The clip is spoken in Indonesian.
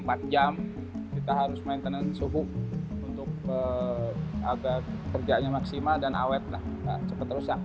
jadi ini dua puluh empat jam kita harus maintenance suhu untuk agar kerjanya maksimal dan awet nah cepet rusak